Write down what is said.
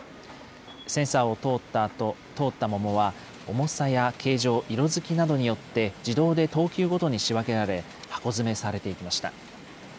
センサーを通った桃は、重さや形状、色づきなどによって自動で等級ごとに仕分けられ、箱詰めされていきました。